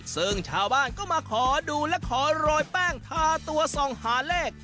ซึ่งชาวบ้านก็มาขอดูและขอโรยแป้งทาตัวส่องหาเลข